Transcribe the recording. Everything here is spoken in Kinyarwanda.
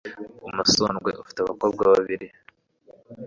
Umusundwe ufite abakobwa babiri